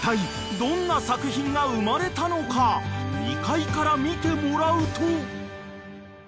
［２階から見てもらうと］